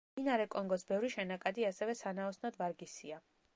მდინარე კონგოს ბევრი შენაკადი ასევე სანაოსნოდ ვარგისია.